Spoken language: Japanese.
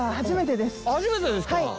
初めてですか。